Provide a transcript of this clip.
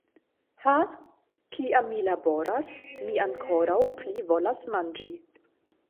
Ha, kiam mi laboras, mi ankoraŭ pli volas manĝi.